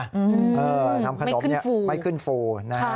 ไม่ขึ้นฟูนะฮะทำขนมไม่ขึ้นฟู